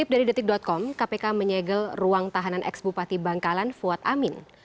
di detik com kpk menyegel ruang tahanan ex bupati bangkalan fuad amin